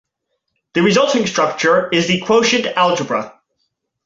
The resulting structure is the quotient algebra.